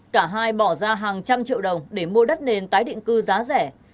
cả hai bỏ ra hàng trăm triệu đồng để mua đất nền tái định cư giá rẻ